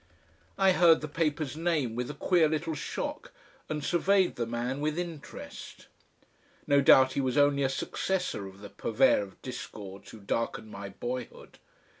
I heard the paper's name with a queer little shock and surveyed the man with interest. No doubt he was only a successor of the purveyor of discords who darkened my boyhood.